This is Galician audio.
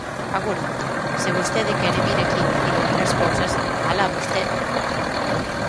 Agora ben, se vostede quere vir aquí dicir outras cousas, ¡alá vostede!